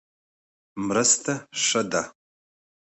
مرسته ښه ده.